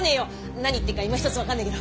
何言ってっかいまひとつ分かんねえけど。